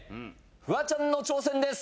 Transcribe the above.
フワちゃんの挑戦です。